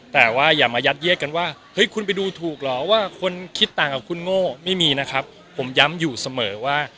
แต่ว่าอย่ามายัดแยกกันว่าเฮ้ยคุณไปดูถูกเหรอว่าคนคิดต่างกับคุณโง่ไม่มีนะครับผมย้ำอยู่เสมอว่า